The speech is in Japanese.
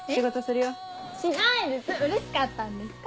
うれしかったんですか？